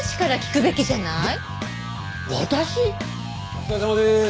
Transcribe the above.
お疲れさまです。